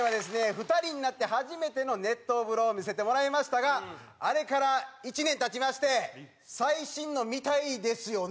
２人になって初めての熱湯風呂を見せてもらいましたがあれから１年経ちまして最新の見たいですよね？